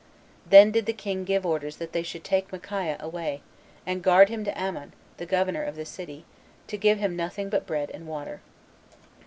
Then did the king give orders that they should take Micaiah away, and guard him to Amon, the governor of the city, and to give him nothing but bread and water.